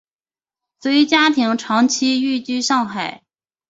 随家庭长期寓居上海。